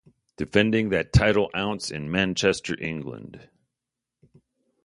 Defending that title ounce in Manchester England.